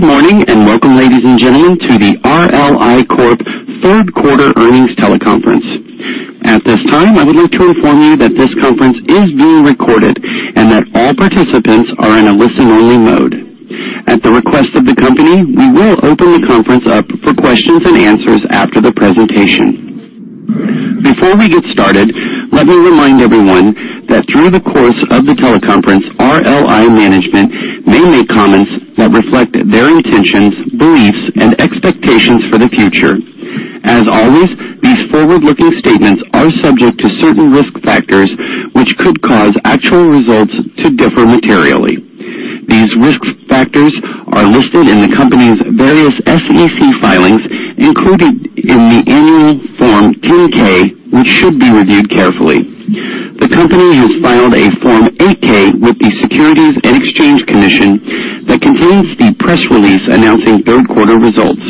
Good morning, and welcome, ladies and gentlemen, to the RLI Corp third quarter earnings teleconference. At this time, I would like to inform you that this conference is being recorded and that all participants are in a listen-only mode. At the request of the company, we will open the conference up for questions and answers after the presentation. Before we get started, let me remind everyone that through the course of the teleconference, RLI management may make comments that reflect their intentions, beliefs, and expectations for the future. As always, these forward-looking statements are subject to certain risk factors which could cause actual results to differ materially. These risk factors are listed in the company's various SEC filings, including in the annual Form 10-K, which should be reviewed carefully. The company has filed a Form 8-K with the Securities and Exchange Commission that contains the press release announcing third quarter results.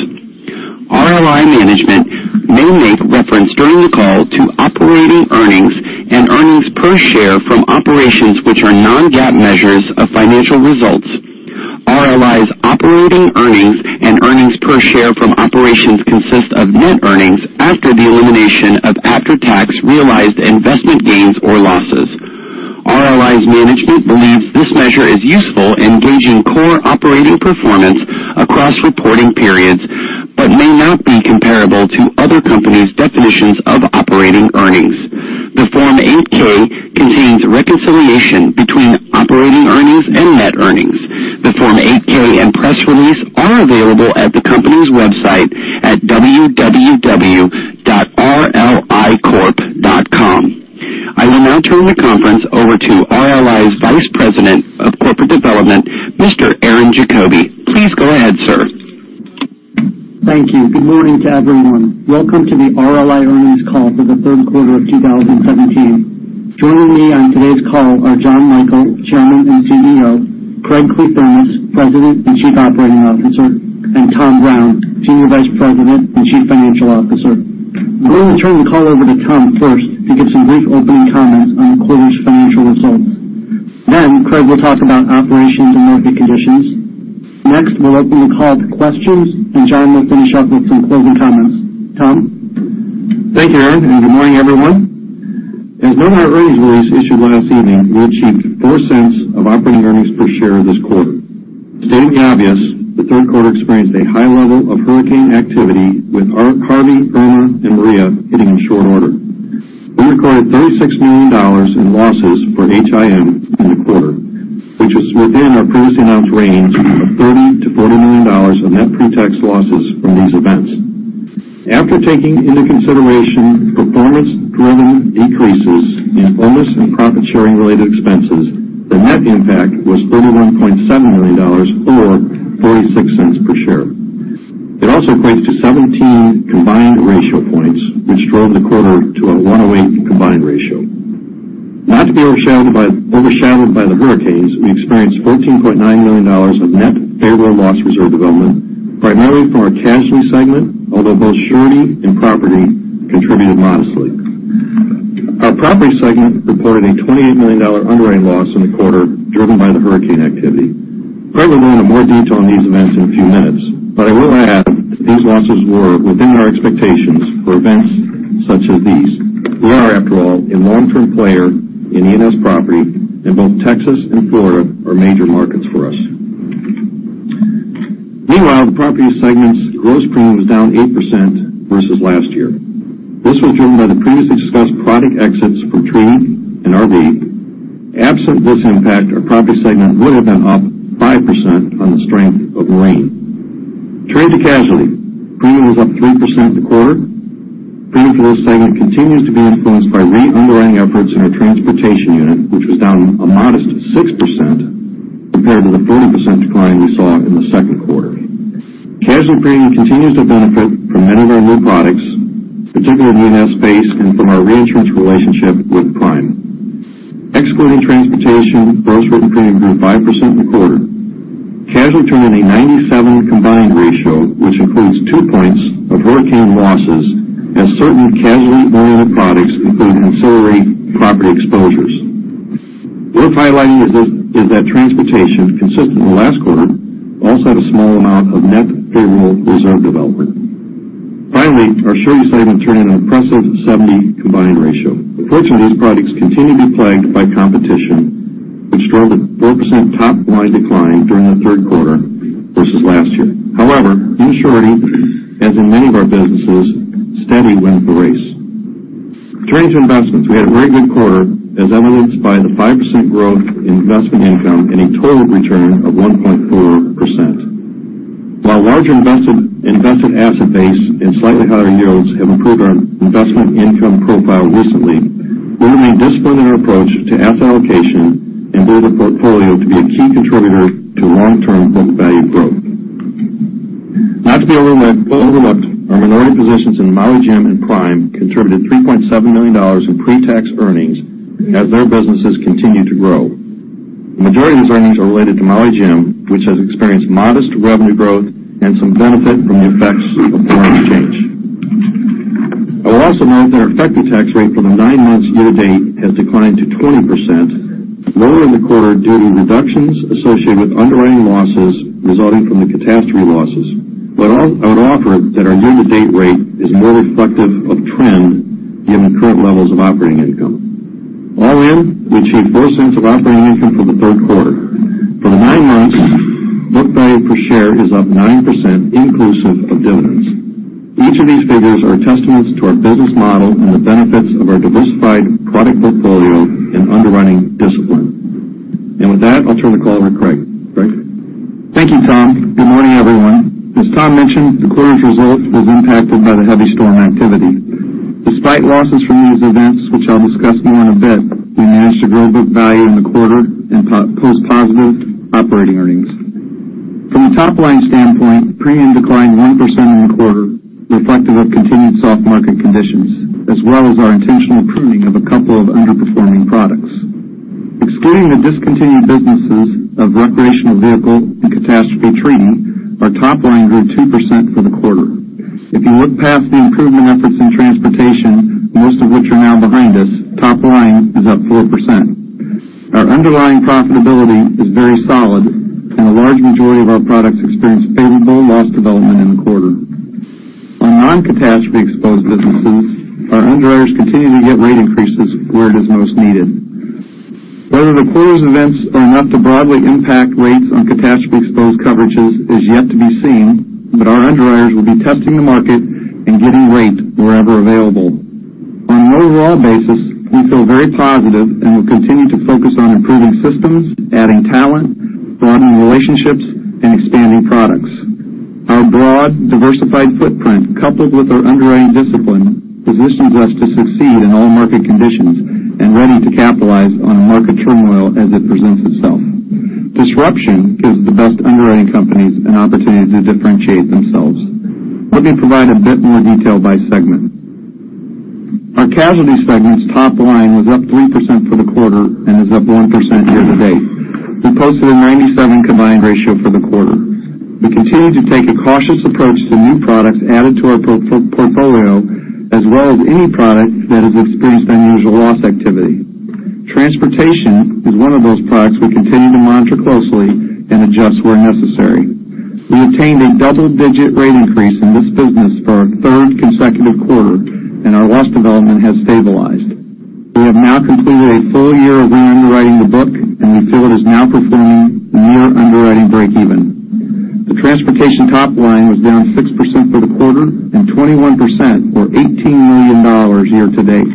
RLI management may make reference during the call to operating earnings and earnings per share from operations which are non-GAAP measures of financial results. RLI's operating earnings and earnings per share from operations consist of net earnings after the elimination of after-tax realized investment gains or losses. RLI's management believes this measure is useful in gauging core operating performance across reporting periods but may not be comparable to other companies' definitions of operating earnings. The Form 8-K contains reconciliation between operating earnings and net earnings. The Form 8-K and press release are available at the company's website at www.rlicorp.com. I will now turn the conference over to RLI's Vice President of Corporate Development, Mr. Aaron Jacoby. Please go ahead, sir. Thank you. Good morning to everyone. Welcome to the RLI earnings call for the third quarter of 2017. Joining me on today's call are Jonathan Michael, Chairman and CEO, Craig Kliethermes, President and Chief Operating Officer, and Thomas L. Brown, Senior Vice President and Chief Financial Officer. I'm going to turn the call over to Tom first to give some brief opening comments on the quarter's financial results. Craig will talk about operations and market conditions. We'll open the call to questions, and John will finish up with some closing comments. Tom? Thank you, Aaron, good morning, everyone. As noted in our earnings release issued last evening, we achieved $0.04 of operating earnings per share this quarter. To state the obvious, the third quarter experienced a high level of hurricane activity with Hurricane Harvey, Hurricane Irma, and Hurricane Maria hitting in short order. We recorded $36 million in losses for HIM in the quarter, which is within our previously announced range of $30 million-$40 million of net pre-tax losses from these events. After taking into consideration performance-driven decreases in bonus and profit-sharing related expenses, the net impact was $31.7 million or $0.46 per share. It also equates to 17 combined ratio points, which drove the quarter to a 108 combined ratio. Not to be overshadowed by the hurricanes, we experienced $14.9 million of net favorable loss reserve development, primarily from our casualty segment, although both surety and property contributed modestly. Our property segment reported a $28 million underwriting loss in the quarter, driven by the hurricane activity. Craig Kliethermes will go into more detail on these events in a few minutes, I will add these losses were within our expectations for events such as these. We are, after all, a long-term player in U.S. property, and both Texas and Florida are major markets for us. Meanwhile, the property segment's gross premium was down 8% versus last year. This was driven by the previously discussed product exits from trade and RV. Absent this impact, our property segment would have been up 5% on the strength of marine. Turning to casualty. Premium was up 3% in the quarter. Premium for this segment continues to be influenced by re-underwriting efforts in our transportation unit, which was down a modest 6% compared with a 30% decline we saw in the second quarter. Casualty premium continues to benefit from many of our new products, particularly in the U.S. space and from our reinsurance relationship with Prime. Excluding transportation, gross written premium grew 5% in the quarter. Casualty turned in a 97 combined ratio, which includes 2 points of hurricane losses as certain casualty-oriented products include ancillary property exposures. Worth highlighting is that transportation, consistent with last quarter, also had a small amount of net favorable reserve development. Finally, our surety segment turned in an impressive 70 combined ratio. The ports in this products continue to be plagued by competition, which drove a 4% top-line decline during the third quarter versus last year. In surety, as in many of our businesses, steady wins the race. Turning to investments, we had a very good quarter as evidenced by the 5% growth in investment income and a total return of 1.4%. Larger invested asset base and slightly higher yields have improved our investment income profile recently, we remain disciplined in our approach to asset allocation and build a portfolio to be a key contributor to long-term book value growth. Not to be overlooked, our minority positions in Maui Jim and Prime contributed $3.7 million in pre-tax earnings as their businesses continue to grow. The majority of these earnings are related to Maui Jim, which has experienced modest revenue growth and some benefit from the effects of foreign exchange. I will also note that our effective tax rate for the nine months year-to-date has declined to 20%, lower in the quarter due to reductions associated with underwriting losses resulting from the catastrophe losses. I would offer that our year-to-date rate is more reflective of trend given current levels of operating income. All in, we achieved those cents of operating income for the third quarter. For the nine months, book value per share is up 9% inclusive of dividends. Each of these figures are a testament to our business model and the benefits of our diversified product portfolio and underwriting discipline. With that, I'll turn the call over to Craig. Craig? Thank you, Tom. Good morning, everyone. As Tom mentioned, the quarter's result was impacted by the heavy storm activity. Despite losses from these events, which I'll discuss more in a bit, we managed to grow book value in the quarter and post positive operating earnings. From a top-line standpoint, premium declined 1% in the quarter, reflective of continued soft market conditions as well as our intentional pruning of a couple of underperforming products. Excluding the discontinued businesses of recreational vehicle and catastrophe treaty, our top line grew 2% for the quarter. If you look past the improvement efforts in transportation, most of which are now behind us, top line is up 4%. Our underlying profitability is very solid and a large majority of our products experienced favorable loss development in the quarter. On non-catastrophe exposed businesses, our underwriters continue to get rate increases where it is most needed. Whether the quarter's events are enough to broadly impact rates on catastrophe-exposed coverages is yet to be seen, but our underwriters will be testing the market and getting rate wherever available. On an overall basis, we feel very positive and will continue to focus on improving systems, adding talent, broadening relationships, and expanding products. Our broad, diversified footprint, coupled with our underwriting discipline, positions us to succeed in all market conditions and ready to capitalize on a market turmoil as it presents itself. Disruption gives the best underwriting companies an opportunity to differentiate themselves. Let me provide a bit more detail by segment. Our casualty segment's top line was up 3% for the quarter and is up 1% year-to-date. We posted a 97 combined ratio for the quarter. We continue to take a cautious approach to new products added to our portfolio, as well as any product that has experienced unusual loss activity. Transportation is one of those products we continue to monitor closely and adjust where necessary. We obtained a double-digit rate increase in this business for our third consecutive quarter, and our loss development has stabilized. We have now completed a full year of re-underwriting the book, and we feel it is now performing near underwriting breakeven. The transportation top line was down 6% for the quarter and 21% or $18 million year-to-date.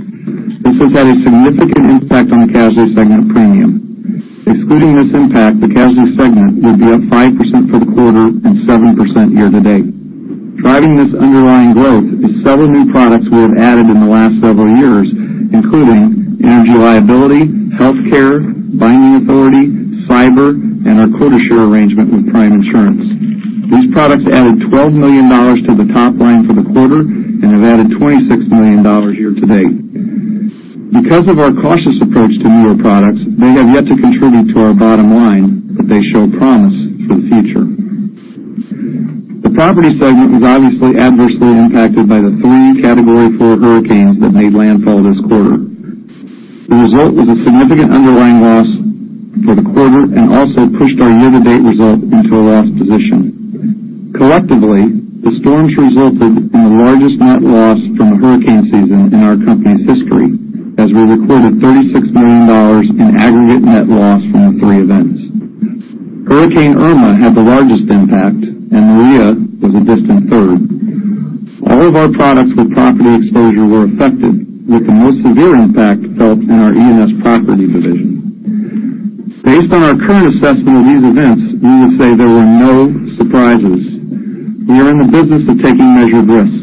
This has had a significant impact on the casualty segment premium. Excluding this impact, the casualty segment would be up 5% for the quarter and 7% year-to-date. Driving this underlying growth is several new products we have added in the last several years, including energy liability, healthcare, binding authority, cyber, and our quota share arrangement with Prime Insurance. These products added $12 million to the top line for the quarter and have added $26 million year-to-date. Because of our cautious approach to newer products, they have yet to contribute to our bottom line, but they show promise for the future. The property segment was obviously adversely impacted by the three category 4 hurricanes that made landfall this quarter. The result was a significant underlying loss for the quarter and also pushed our year-to-date result into a loss position. Collectively, the storms resulted in the largest net loss from a hurricane season in our company's history as we recorded $36 million in aggregate net loss from the three events. Hurricane Irma had the largest impact, and Maria was a distant third. All of our products with property exposure were affected, with the most severe impact felt in our E&S property division. Based on our current assessment of these events, we would say there were no surprises. We are in the business of taking measured risks.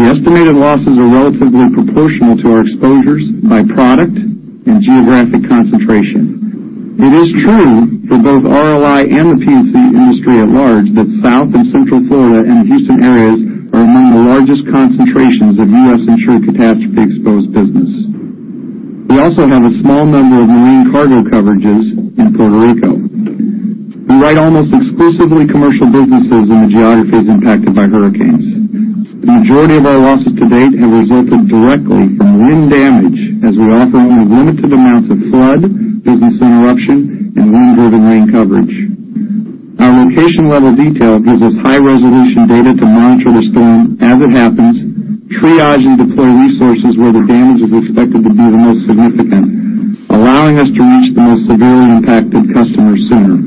The estimated losses are relatively proportional to our exposures by product and geographic concentration. It is true for both RLI and the P&C industry at large that South and Central Florida and the Houston areas are among the largest concentrations of U.S.-insured catastrophe-exposed business. We also have a small number of marine cargo coverages in Puerto Rico. We write almost exclusively commercial businesses in the geographies impacted by hurricanes. The majority of our losses to date have resulted directly from wind damage as we offer only limited amounts of flood, business interruption, and wind-driven rain coverage. Our location-level detail gives us high-resolution data to monitor the storm as it happens, triage, and deploy resources where the damage is expected to be the most significant, allowing us to reach the most severely impacted customers sooner.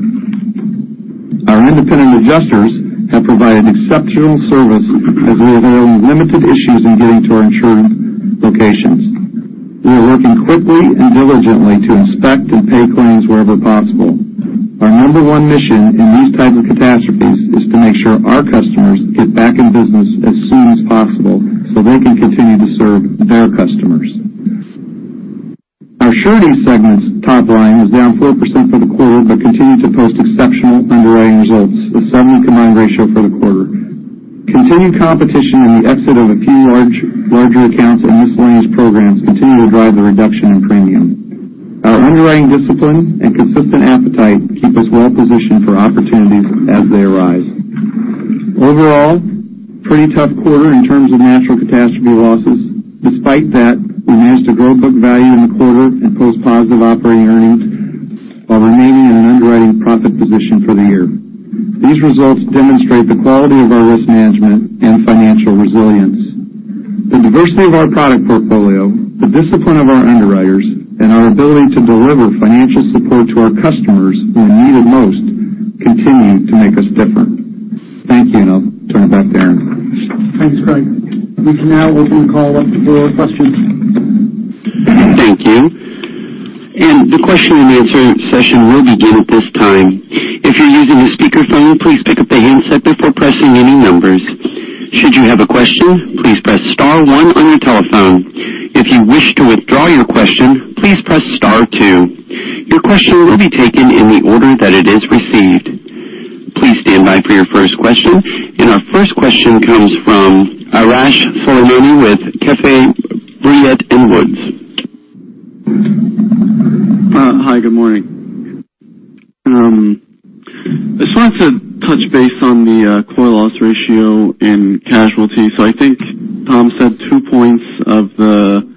Our independent adjusters have provided exceptional service as we have had only limited issues in getting to our insured locations. We are working quickly and diligently to inspect and pay claims wherever possible. Our number one mission in these types of catastrophes is to make sure our customers get back in business as soon as possible so they can continue to serve their customers. Our surety segment's top line was down 4% for the quarter but continued to post exceptional underwriting results with 70 combined ratio for the quarter. Continued competition and the exit of a few larger accounts and miscellaneous programs continue to drive the reduction in premium. Our underwriting discipline and consistent appetite keep us well positioned for opportunities as they arise. Overall, pretty tough quarter in terms of natural catastrophe losses. Despite that, we managed to grow book value in the quarter and post positive operating earnings while remaining in an underwriting profit position for the year. These results demonstrate the quality of our risk management and financial resilience. The diversity of our product portfolio, the discipline of our underwriters, and our ability to deliver financial support to our customers when needed most continue to make us different. Thank you, and I'll turn it back to Aaron. Thanks, Craig. We can now open the call up for questions. Thank you. The question and answer session will begin at this time. If you're using a speakerphone, please pick up the handset before pressing any numbers. Should you have a question, please press star one on your telephone. If you wish to withdraw your question, please press star two. Your question will be taken in the order that it is received. Please stand by for your first question. Our first question comes from Arash Soleimani with Keefe, Bruyette & Woods. Hi, good morning. I just wanted to touch base on the core loss ratio and casualty. I think Tom said two points of the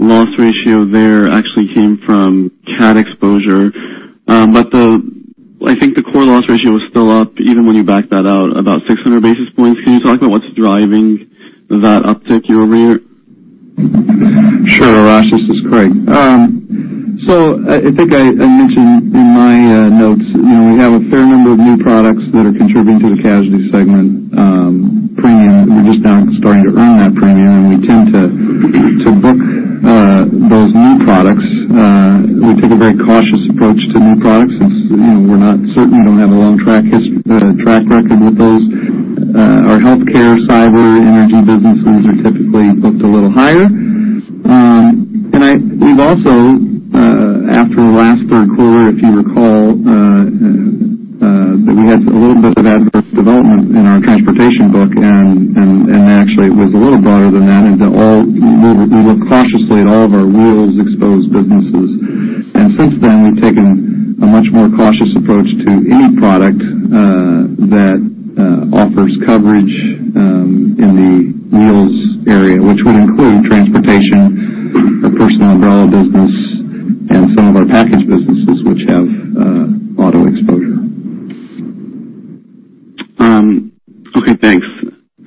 loss ratio there actually came from cat exposure. But I think the core loss ratio was still up even when you backed that out about 600 basis points. Can you talk about what's driving that uptick year-over-year? Sure, Arash Soleimani, this is Craig. I think I mentioned in my notes, we have a fair number of new products that are contributing to the casualty segment premium. We're just now starting to earn that premium, and we tend to book those new products. We take a very cautious approach to new products since we're not certain, we don't have a long track record with those. Our healthcare, cyber, energy businesses are typically booked a little higher. We've also, after last third quarter, if you recall, that we had a little bit of adverse development in our transportation book, and actually it was a little broader than that. We look cautiously at all of our wheels-exposed businesses. Since then, we've taken a much more cautious approach to any product that offers coverage in the wheels area, which would include transportation, our personal umbrella business, and some of our package businesses which have auto exposure. Okay, thanks.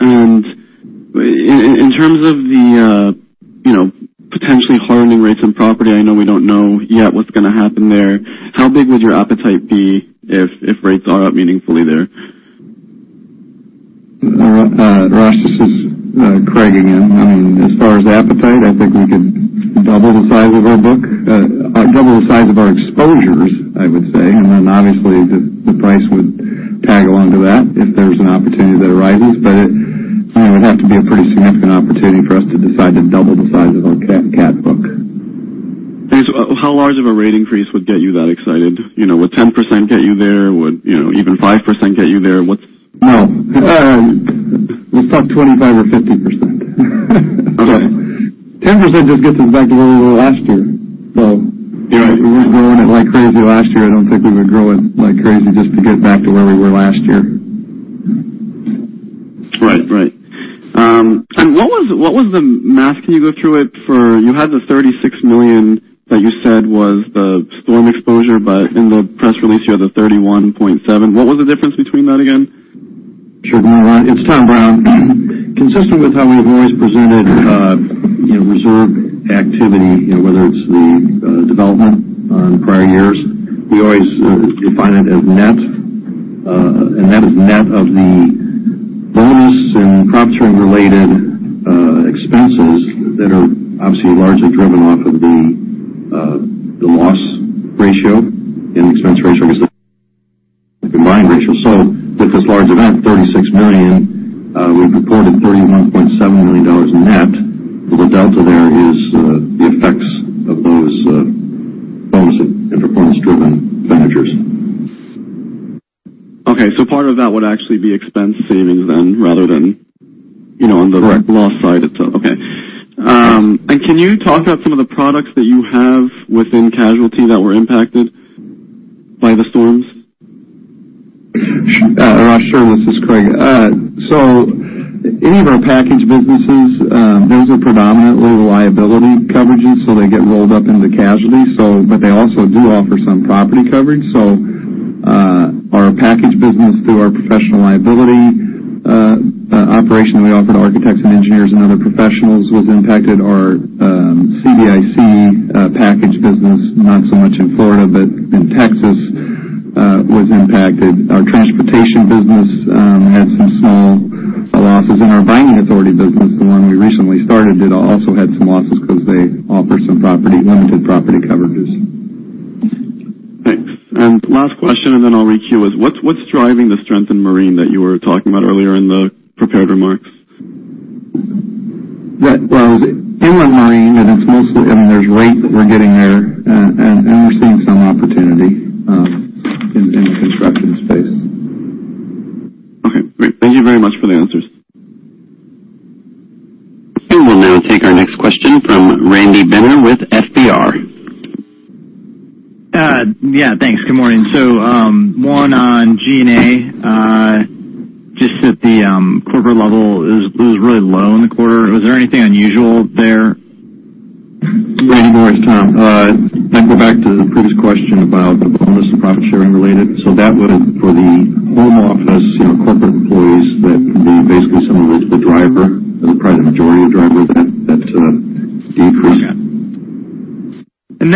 In terms of the potentially hardening rates in property, I know we don't know yet what's going to happen there. How big would your appetite be if rates are up meaningfully there? Arash, this is Craig again. As far as appetite, I think we could double the size of our book, double the size of our exposures, I would say. Then obviously, the price would tag along to that if there's an opportunity that arises. It would have to be a pretty significant opportunity for us to decide to double the size of our cat book. How large of a rate increase would get you that excited? Would 10% get you there? Would even 5% get you there? No. Let's talk 25% or 50%. Okay. 10% just gets us back to where we were last year. Right We were growing it like crazy last year. I don't think we would grow it like crazy just to get back to where we were last year. Right. What was the math? Can you go through it? You had the $36 million that you said was the storm exposure, but in the press release, you had the $31.7 million. What was the difference between that again? Sure. No, it's Tom Brown. Consistent with how we have always presented reserve activity, whether it's the development on prior years, we always define it as net, and that is net of the bonus and profit share-related expenses that are obviously largely driven off of the loss ratio and expense ratio because the combined ratio. With this large event, $36 million, we reported $31.7 million net. The delta there is the effects of bonus and performance-driven managers. Okay. Part of that would actually be expense savings then rather than- on the loss side itself. Okay. Can you talk about some of the products that you have within casualty that were impacted by the storms? Arash, sure. This is Craig. Any of our package businesses, those are predominantly liability coverages, so they get rolled up into casualty. They also do offer some property coverage. Our package business through our professional liability operation that we offer to architects and engineers and other professionals was impacted. Our CBIC package business, not so much in Florida, but in Texas, was impacted. Our transportation business had some small losses. Our binding authority business, the one we recently started, it also had some losses because they offer some limited property coverages. Thanks. Last question, then I'll re-queue is what's driving the strength in marine that you were talking about earlier in the prepared remarks? Well, in marine, and it's mostly, there's rate that we're getting there, and we're seeing some opportunity in the construction space. Okay, great. Thank you very much for the answers. We will now take our next question from Randy Binner with FBR. Yeah, thanks. Good morning. One on G&A, just at the corporate level, it was really low in the quarter. Was there anything unusual there? Randy, no worries. Tom. I go back to the previous question about the bonus and profit-sharing related. That was for the home office corporate employees. That would be basically some of the driver or probably the majority of driver of that decrease. Okay. I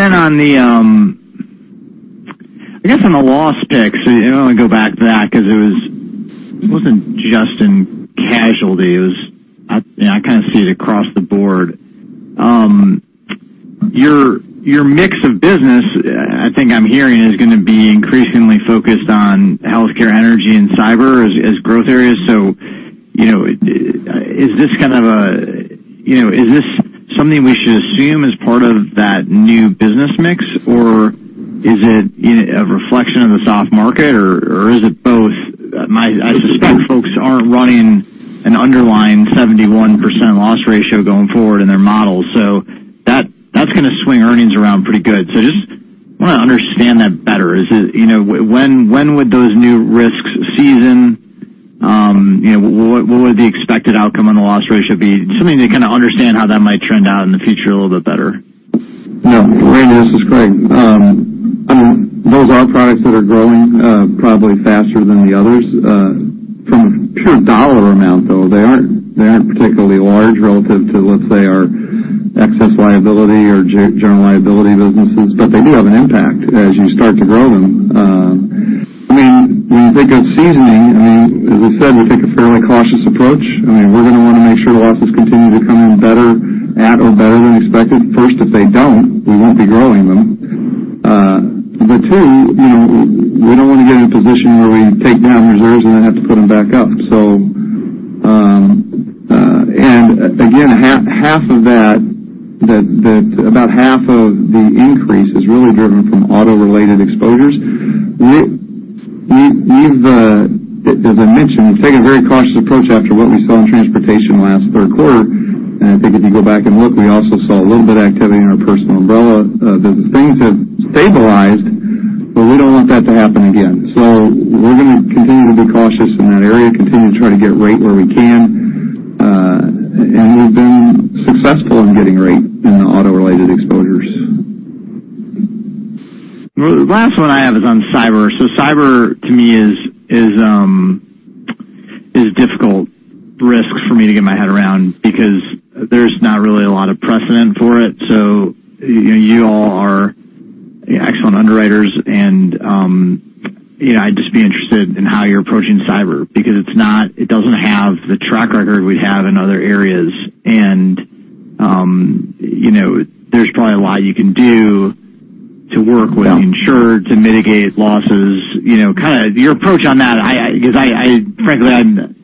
guess on the loss picks, I want to go back to that because it wasn't just in casualty, I kind of see it across the board. Your mix of business, I think I'm hearing, is going to be increasingly focused on healthcare, energy, and cyber as growth areas. Is this something we should assume as part of that new business mix, or is it a reflection of the soft market, or is it both? I suspect folks aren't running an underlying 71% loss ratio going forward in their models. That's going to swing earnings around pretty good. Just want to understand that better. When would those new risks season? What would the expected outcome on the loss ratio be? Something to kind of understand how that might trend out in the future a little bit better. No, Randy, this is Craig. Those are products that are growing probably faster than the others. From a pure dollar amount, though, they aren't particularly large relative to, let's say, our excess liability or general liability businesses. They do have an impact as you start to grow them. When you think of seasoning, as I said, we take a fairly cautious approach. We're going to want to make sure losses continue to come in better at or better than expected. First, if they don't, we won't be growing them. Two, we don't want to get in a position where we take down reserves and then have to put them back up. Again, about half of the increase is really driven from auto-related exposures. As I mentioned, we've taken a very cautious approach after what we saw in transportation last third quarter. I think if you go back and look, we also saw a little bit of activity in our personal umbrella. The things have stabilized, but we don't want that to happen again. We're going to continue to be cautious in that area, continue to try to get rate where we can, and we've been successful in getting rate in the auto-related exposures. The last one I have is on cyber. Cyber to me is difficult risk for me to get my head around because there's not really a lot of precedent for it. You all are excellent underwriters and I'd just be interested in how you're approaching cyber because it doesn't have the track record we have in other areas. There's probably a lot you can do to work with insureds and mitigate losses. Your approach on that, because frankly,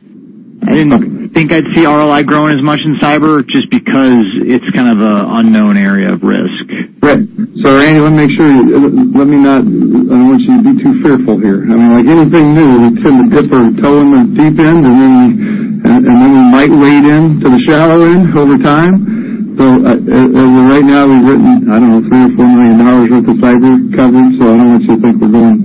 I didn't think I'd see RLI growing as much in cyber just because it's kind of an unknown area of risk. Right. Randy, let me make sure. I don't want you to be too fearful here. Like anything new, we tend to dip our toe in the deep end, then we might wade into the shallow end over time. As of right now, we've written, I don't know, $3 or $4 million worth of cyber coverage. I don't want you to think we're going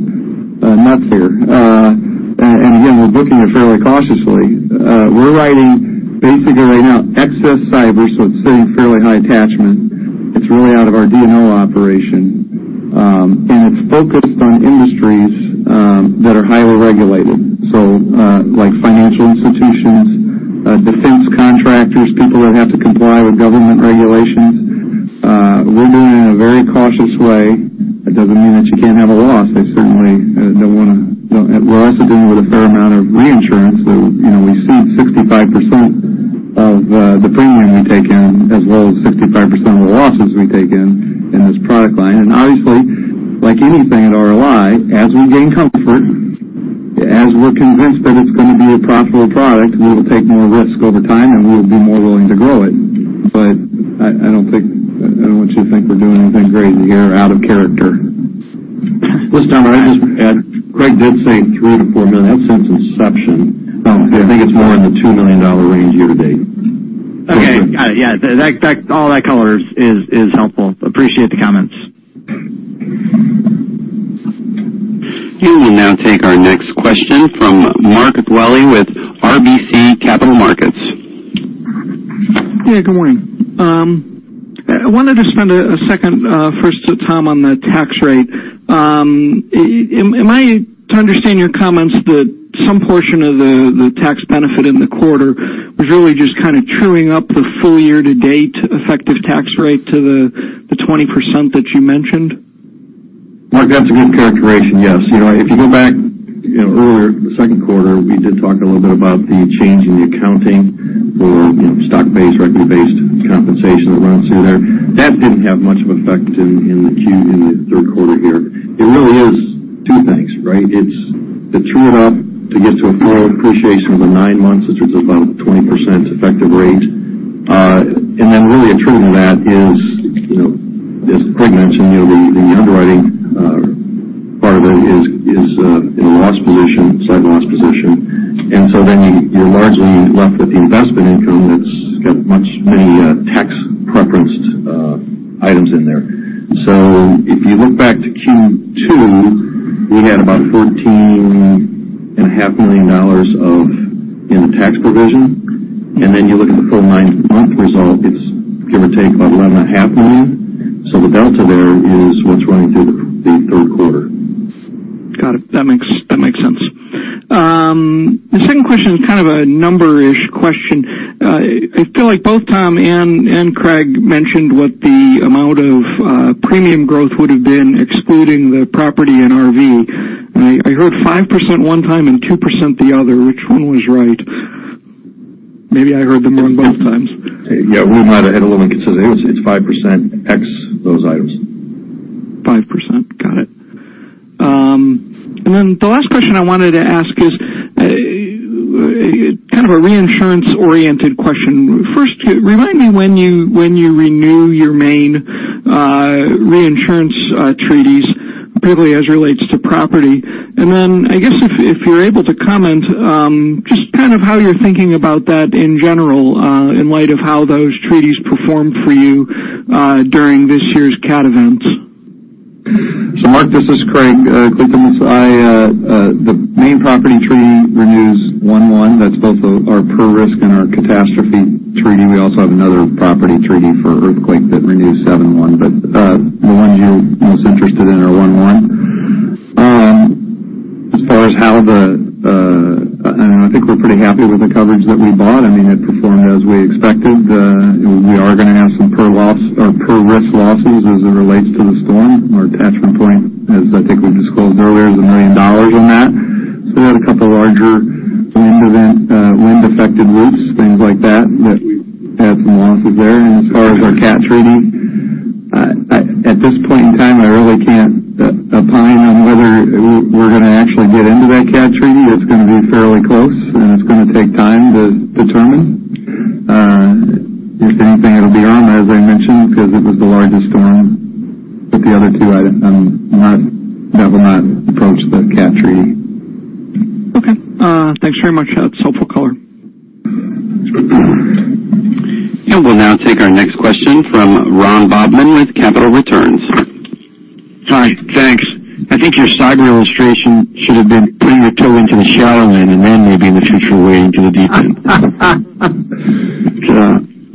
nuts here. Again, we're booking it fairly cautiously. We're writing basically right now excess cyber, it's sitting fairly high attachment. It's really out of our D&O operation. It's focused on industries that are highly regulated. Like financial institutions, defense contractors, people that have to comply with government regulations. We're doing it in a very cautious way. That doesn't mean that you can't have a loss. We're also doing it with a fair amount of reinsurance. We cede 65% of the premium we take in as well as 65% of the losses we take in this product line. Obviously, like anything at RLI, as we gain comfort, as we're convinced that it's going to be a profitable product, we will take more risk over time, and we'll be more willing to grow it. I don't want you to think we're doing anything crazy here out of character. Listen, Tom, can I just add, Craig did say $3 million-$4 million. That's since inception. Oh, okay. I think it's more in the $2 million range year to date. Okay. Yeah. All that color is helpful. Appreciate the comments. We will now take our next question from Mark Dwelle with RBC Capital Markets. Yeah, good morning. I wanted to spend a second first to Tom on the tax rate. Am I to understand your comments that some portion of the tax benefit in the quarter was really just kind of truing up the full year-to-date effective tax rate to the 20% that you mentioned? Mark, that's a good characterization. Yes. If you go back earlier, the second quarter, we did talk a little bit about the change in the accounting for stock-based, equity-based compensation that runs through there. That didn't have much of effect in the Q, in the third quarter here. It really is two things, right? It's to true it up to get to a full appreciation of the nine months, which is about 20% effective rate. Really attributing to that is, as Craig mentioned, the underwriting Part of it is in a loss position, side loss position. You're largely left with the investment income that's got much many tax-preferenced items in there. So if you look back to Q2, we had about $14.5 million of in the tax provision. Then you look at the full nine-month result, it's give or take about $11.5 million. The delta there is what's running through the third quarter. Got it. That makes sense. The second question is kind of a number-ish question. I feel like both Tom and Craig mentioned what the amount of premium growth would've been excluding the property and RV. I heard 5% one time and 2% the other. Which one was right? Maybe I heard them wrong both times. Yeah, we might have had a little inconsistency. It's 5% ex those items. 5%. Got it. The last question I wanted to ask is kind of a reinsurance-oriented question. First, remind me when you renew your main reinsurance treaties, particularly as relates to property. I guess if you're able to comment, just kind of how you're thinking about that in general, in light of how those treaties performed for you during this year's cat events. Mark, this is Craig. The main property treaty renews one-one. That's both our per risk and our catastrophe treaty. We also have another property treaty for earthquake that renews seven-one, but the ones you're most interested in are one-one. I think we're pretty happy with the coverage that we bought. It performed as we expected. We are going to have some per risk losses as it relates to the storm. Our attachment point, as I think we disclosed earlier, is $1 million in that. We had a couple larger wind-affected roofs, things like that we had some losses there. As far as our cat treaty, at this point in time, I really can't opine on whether we're going to actually get into that cat treaty. It's going to be fairly close, and it's going to take time to determine. If anything, it'll be on, as I mentioned, because it was the largest storm. The other two will not approach the cat treaty. Okay. Thanks very much. That's helpful color. We'll now take our next question from Ron Bobman with Capital Returns. Hi. Thanks. I think your cyber illustration should have been putting your toe into the shallow end and then maybe in the future way into the deep end.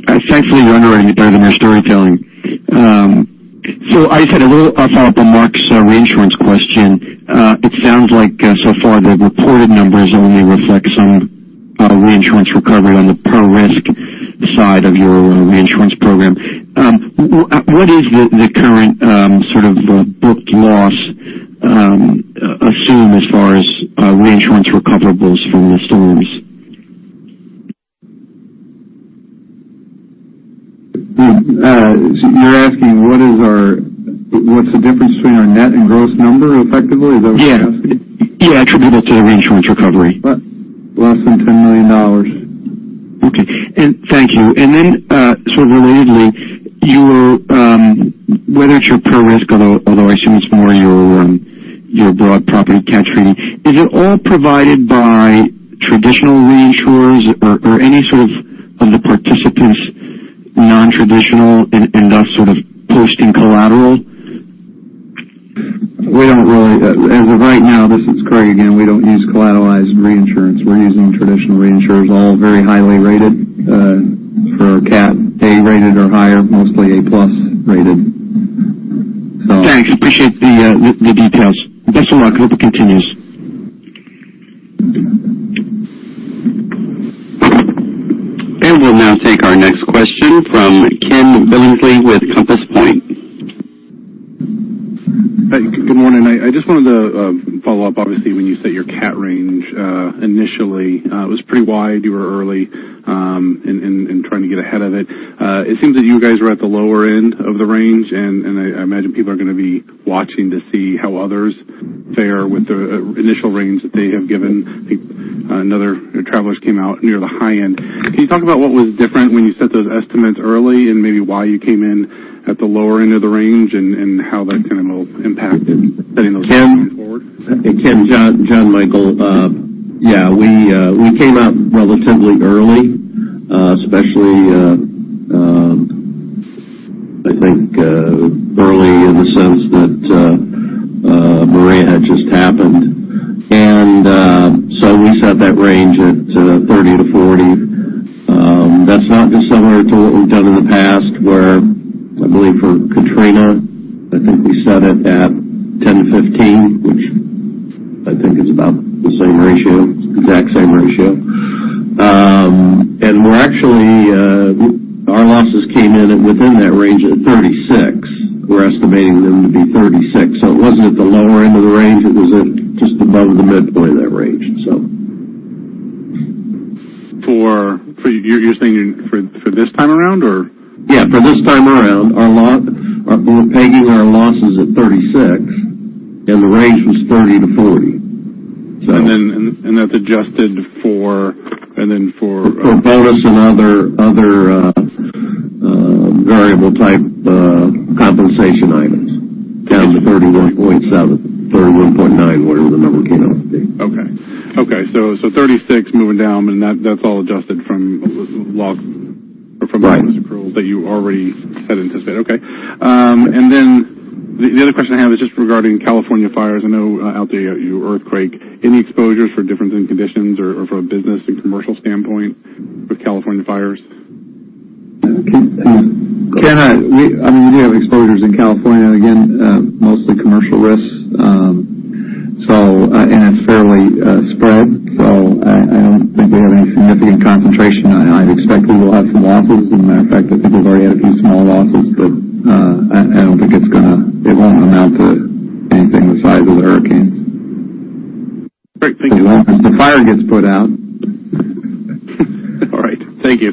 I thankfully wander better than your storytelling. I just had a little up off of Mark's reinsurance question. It sounds like so far the reported numbers only reflect some reinsurance recovery on the per risk side of your reinsurance program. What is the current sort of booked loss assumed as far as reinsurance recoverables from the storms? You're asking what's the difference between our net and gross number effectively? Is that what you're asking? Yeah. Attributable to the reinsurance recovery. Less than $10 million. Okay. Thank you. Then, sort of relatedly, whether it's your per risk, although I assume it's more your broad property cat treaty, is it all provided by traditional reinsurers or any sort of the participants non-traditional and thus sort of posting collateral? As of right now, this is Craig again, we don't use collateralized reinsurance. We're using traditional reinsurers, all very highly rated. For our cat, A-rated or higher, mostly A-plus rated. Thanks. Appreciate the details. Best of luck. Hope it continues. We'll now take our next question from Ken Billingsley with Compass Point. Good morning. I just wanted to follow up. Obviously, when you set your cat range, initially, it was pretty wide. You were early, in trying to get ahead of it. It seems that you guys are at the lower end of the range, and I imagine people are going to be watching to see how others fare with the initial range that they have given. I think another, Travelers came out near the high end. Can you talk about what was different when you set those estimates early, and maybe why you came in at the lower end of the range and how that kind of will impact setting those going forward? Ken, Jon Michael. We came out relatively early, especially, I think, early in the sense that Maria had just happened. We set that range at $30-$40. That's not dissimilar to what we've done in the past where, I believe for Katrina, I think we set it at $10-$15, which I think is about the same ratio, exact same ratio. Our losses came in at within that range at $36. We're estimating them to be $36. It wasn't at the lower end of the range. It was at just above the midpoint of that range. You're saying for this time around, or? For this time around, we're pegging our losses at $36, the range was thirty- That's adjusted for- For bonus and other variable type compensation items down to 31.7, 31.9, whatever the number came out to be. Okay. 36 moving down, and that's all adjusted from. Right from bonus accrual that you already had anticipated. Okay. The other question I have is just regarding California fires. I know out there you have your earthquake. Any exposures for difference in conditions or for a business and commercial standpoint with California fires? Can I? We do have exposures in California, again, mostly commercial risks. It's fairly spread, I don't think we have any significant concentration. I expect we will have some losses. A matter of fact, I think we've already had a few small losses, but I don't think it won't amount to anything the size of the hurricanes. Great. Thank you. Well, if the fire gets put out. All right. Thank you.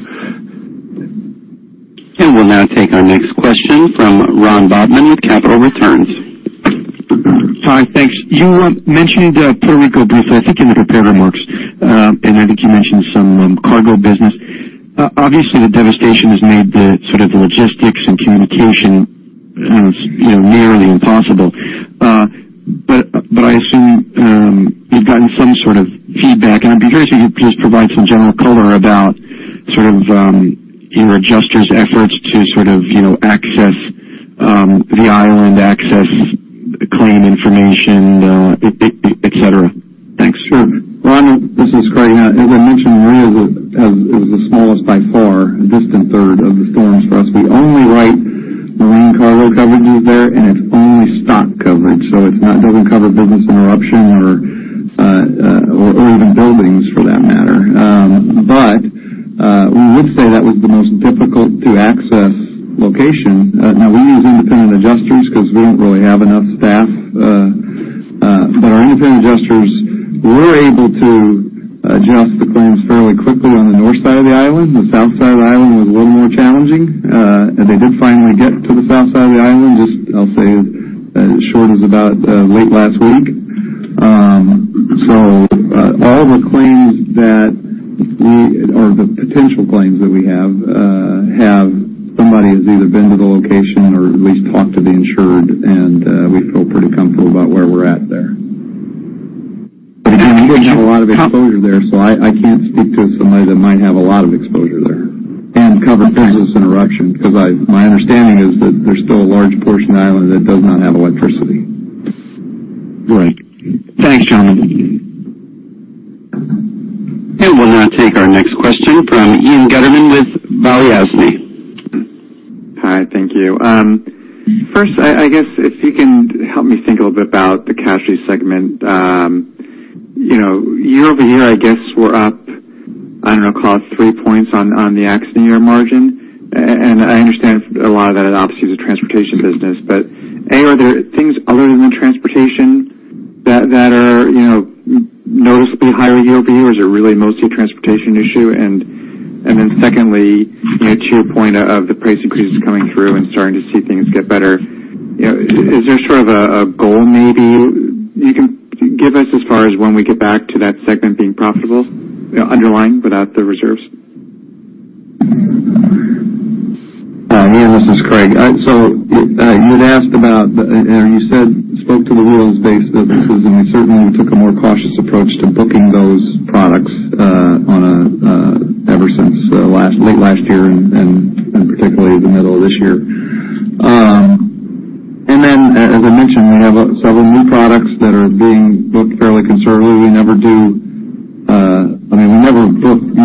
We'll now take our next question from Ron Bobman with Capital Returns. Hi, thanks. You mentioned Puerto Rico briefly, I think in the prepared remarks, and I think you mentioned some cargo business. Obviously, the devastation has made the logistics and communication nearly impossible. I assume you've gotten some sort of feedback, and I'd be curious if you could just provide some general color about your adjusters' efforts to access the island, access claim information, et cetera. Thanks. Sure. Ron, this is Craig. As I mentioned, Maria is the smallest by far, a distant third of the storms for us. We only write marine cargo coverages there, and it's only stock coverage. It doesn't cover business interruption or even buildings for that matter. We would say that was the most difficult-to-access location. Now, we use independent adjusters because we don't really have enough staff. Our independent adjusters were able to adjust the claims fairly quickly on the north side of the island. The south side of the island was a little more challenging. They did finally get to the south side of the island, just, I'll say, as short as about late last week. All the claims that we, or the potential claims that we have somebody who's either been to the location or at least talked to the insured, and we feel pretty comfortable about where we're at there. Again, we didn't have a lot of exposure there, so I can't speak to somebody that might have a lot of exposure there and cover business interruption, because my understanding is that there's still a large portion of the island that does not have electricity. Right. Thanks, gentlemen. We'll now take our next question from Ian Gutterman with Balyasny. Hi, thank you. First, I guess if you can help me think a little bit about the casualty segment. Year-over-year, I guess we're up, I don't know, call it 3 points on the accident year margin. I understand a lot of that obviously is a transportation business. A, are there things other than transportation that are noticeably higher year-over-year, or is it really mostly a transportation issue? Secondly, to your point of the price increases coming through and starting to see things get better, is there a goal maybe you can give us as far as when we get back to that segment being profitable, underlying without the reserves? Ian, this is Craig. You had asked about the, you spoke to the wheels basis, we certainly took a more cautious approach to booking those products ever since late last year and particularly the middle of this year. As I mentioned, we have several new products that are being booked fairly conservatively. We never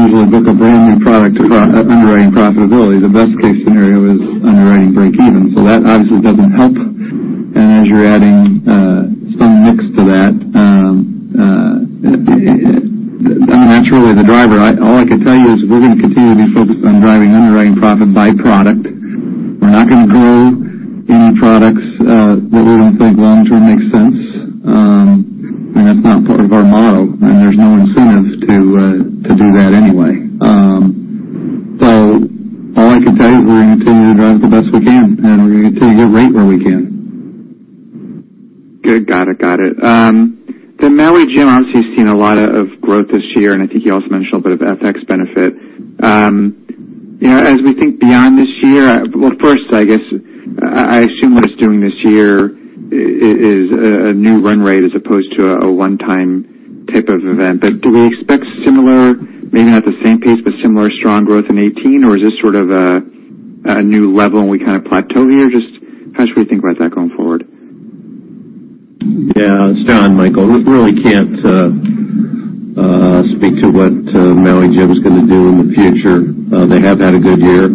usually book a brand-new product underwriting profitability. The best case scenario is underwriting breakeven. That obviously doesn't help. As you're adding some mix to that, I mean, that's really the driver. All I could tell you is we're going to continue to be focused on driving underwriting profit by product. We're not going to grow any products that we don't think long-term makes sense. That's not part of our model, and there's no incentives to do that anyway. All I can tell you is we're going to continue to drive it the best we can, we're going to continue to get rate where we can. Good. Got it. Got it. Maui Jim obviously has seen a lot of growth this year, and I think you also mentioned a little bit of FX benefit. As we think beyond this year, first, I guess, I assume what it's doing this year is a new run rate as opposed to a one-time type of event. Do we expect similar, maybe not the same pace, but similar strong growth in 2018, or is this sort of a new level and we kind of plateau here? Just how should we think about that going forward? It's Jon Michael. We really can't speak to what Maui Jim's going to do in the future. They have had a good year.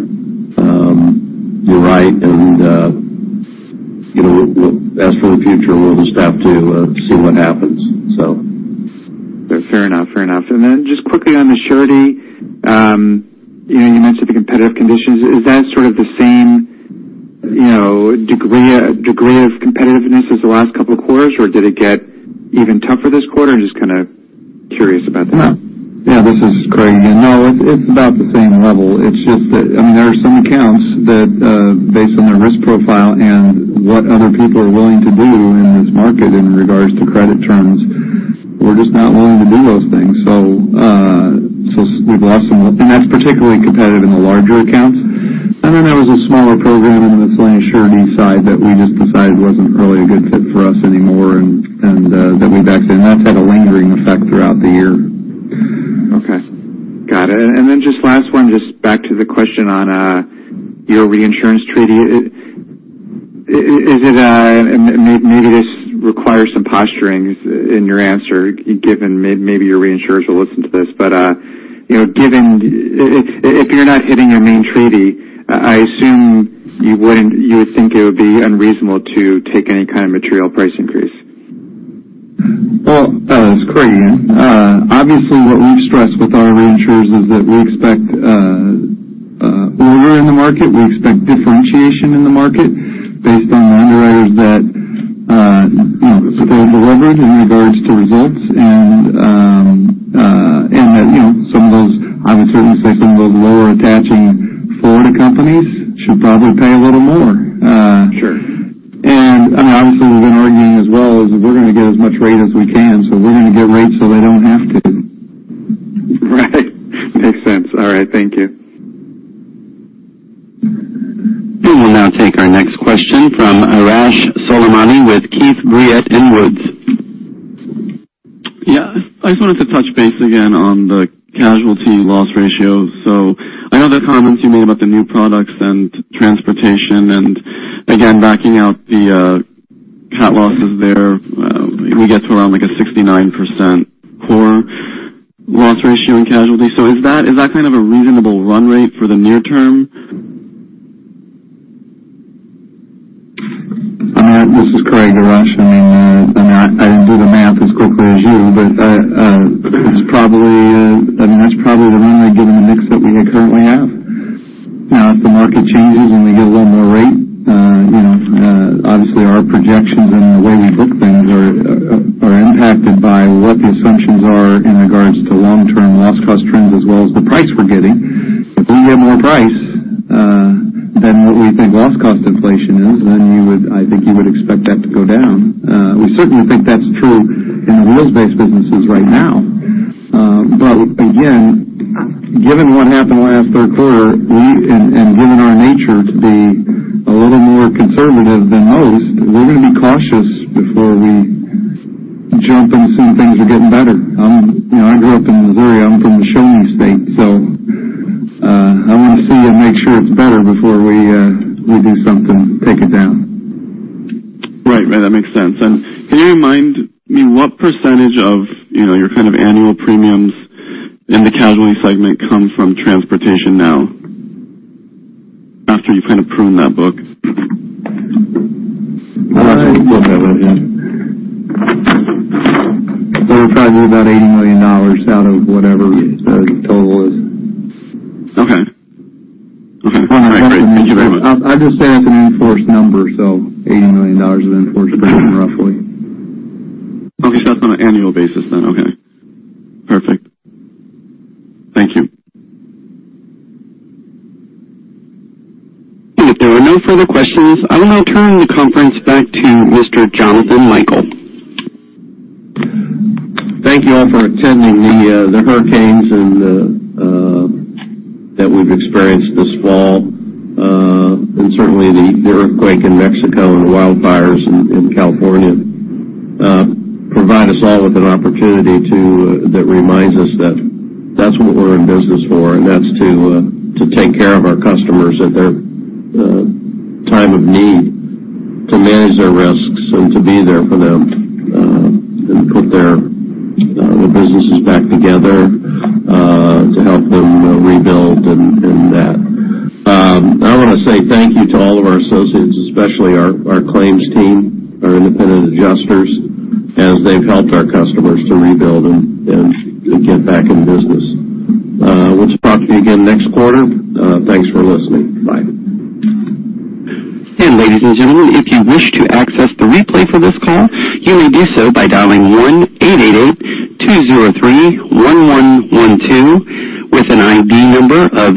You're right, as for the future, we'll just have to see what happens. Fair enough. Just quickly on the surety, you mentioned the competitive conditions. Is that sort of the same degree of competitiveness as the last couple of quarters, or did it get even tougher this quarter? Curious about that. This is Craig again. No, it's about the same level. It's just that there are some accounts that, based on their risk profile and what other people are willing to do in this market in regards to credit terms, we're just not willing to do those things. We've lost some, that's particularly competitive in the larger accounts. There was a smaller program in the miscellaneous surety side that we just decided wasn't really a good fit for us anymore, that we backed in. That's had a lingering effect throughout the year. Okay. Got it. Just last one, just back to the question on your reinsurance treaty. Maybe this requires some posturing in your answer, given maybe your reinsurers will listen to this, but if you're not hitting your main treaty, I assume you would think it would be unreasonable to take any kind of material price increase. Well, this is Craig Kliethermes again. Obviously, what we've stressed with our reinsurers is that we expect order in the market. We expect differentiation in the market based on the underwriters that support the leverage in regards to results and that some of those, I would certainly say some of those lower-attaching Florida companies should probably pay a little more. Sure. Obviously, we've been arguing as well as if we're going to get as much rate as we can, so we're going to get rates so they don't have to. Right. Makes sense. All right. Thank you. We will now take our next question from Arash Soleimani with Keefe, Bruyette & Woods. Yeah. I just wanted to touch base again on the casualty loss ratio. I know the comments you made about the new products and transportation and again, backing out the cat losses there, we get to around a 69% core loss ratio in casualty. Is that kind of a reasonable run rate for the near term? This is Craig, Arash. I mean, I didn't do the math as quickly as you, that's probably the run rate given the mix that we currently have. If the market changes and we get a little more rate, obviously our projections and the way we book things are impacted by what the assumptions are in regards to long-term loss cost trends as well as the price we're getting. If we get more price than what we think loss cost inflation is, I think you would expect that to go down. We certainly think that's true in the wheels-based businesses right now. Again, given what happened last third quarter, and given our nature to be a little more conservative than most, we're going to be cautious before we jump and assume things are getting better. I grew up in Missouri. I'm from the Show Me State, I want to see and make sure it's better before we do something to take it down. Right. That makes sense. Can you remind me what percentage of your kind of annual premiums in the casualty segment come from transportation now, after you've kind of pruned that book? I don't have that right here. We're probably about $80 million out of whatever the total is. Okay. Great. Thank you very much. I just say that's an in-force number, so $80 million of in-force premium, roughly. Okay. That's on an annual basis then. Okay. Perfect. Thank you. If there are no further questions, I will now turn the conference back to Mr. Jonathan Michael. Thank you all for attending. The hurricanes that we've experienced this fall, certainly the earthquake in Mexico and the wildfires in California, provide us all with an opportunity that reminds us that that's what we're in business for, and that's to take care of our customers at their time of need, to manage their risks and to be there for them, and put their businesses back together, to help them rebuild. I want to say thank you to all of our associates, especially our claims team, our independent adjusters, as they've helped our customers to rebuild and get back in business. We'll talk to you again next quarter. Thanks for listening. Bye. Ladies and gentlemen, if you wish to access the replay for this call, you may do so by dialing 1-888-203-1112 with an ID number of